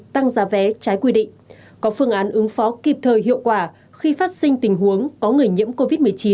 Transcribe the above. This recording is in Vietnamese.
tăng giá vé trái quy định có phương án ứng phó kịp thời hiệu quả khi phát sinh tình huống có người nhiễm covid một mươi chín